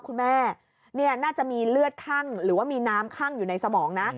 คุณแม่น่าจะมีเลือดคั่งหรือว่ามีน้ำคั่งอยู่ในสมองนะ